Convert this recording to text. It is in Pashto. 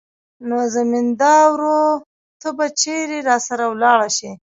نو زمينداورو ته به چېرې راسره ولاړه سي.